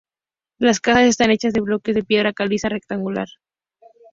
Las casas están hechas de bloques de piedra caliza rectangular.